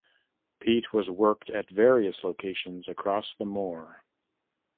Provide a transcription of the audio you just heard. Peat was worked at various locations across the moor.